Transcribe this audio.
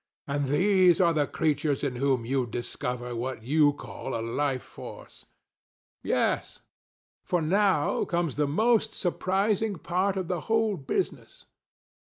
And these are the creatures in whom you discover what you call a Life Force! DON JUAN. Yes; for now comes the most surprising part of the whole business.